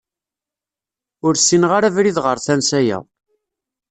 Ur ssineɣ ara abrid ɣer tansa-a.